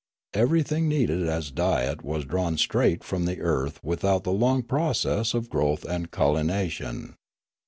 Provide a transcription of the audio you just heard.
Everything needed as diet was drawn straight from the earth without the long pro cess of growth and culination.